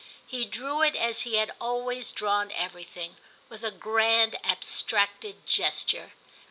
He drew it as he had always drawn everything, with a grand abstracted gesture.